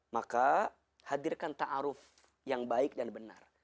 maka hadirkan ta'aruf yang baik dan benar